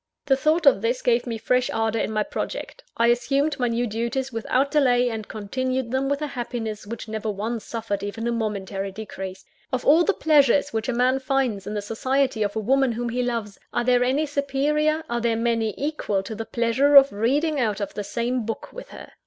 The thought of this gave me fresh ardour in my project; I assumed my new duties without delay, and continued them with a happiness which never once suffered even a momentary decrease. Of all the pleasures which a man finds in the society of a woman whom he loves, are there any superior, are there many equal, to the pleasure of reading out of the same book with her?